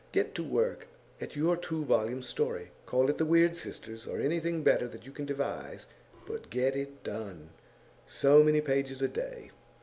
Get to work at your two volume story. Call it "The Weird Sisters," or anything better that you can devise; but get it done, so many pages a day.